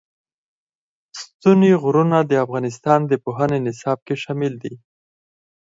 ستوني غرونه د افغانستان د پوهنې نصاب کې شامل دي.